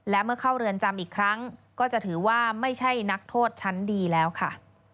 และเมื่อเข้าเรือนจำอีกครั้งก็จะถือว่าไม่ใช่นักโทษชั้นดีแล้วค่ะ